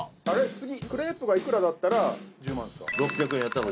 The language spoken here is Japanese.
次クレープがいくらだったら１０万っすか？